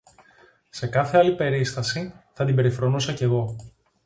Σε κάθε άλλη περίσταση θα την περιφρονούσα κι εγώ